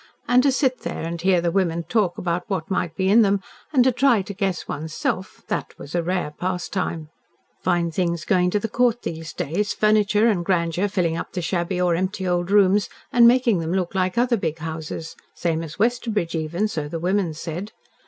And to sit there, and hear the women talk about what might be in them, and to try to guess one's self, that was a rare pastime. Fine things going to the Court these days furniture and grandeur filling up the shabby or empty old rooms, and making them look like other big houses same as Westerbridge even, so the women said.